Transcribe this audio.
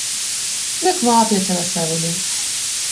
Не квапляться на се вони!